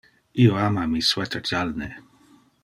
Io ama mi sweater jalne.